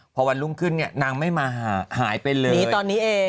พอวันรุ่งขึ้นเนี่ยนางไม่มาหาหายไปเลยหนีตอนนี้เอง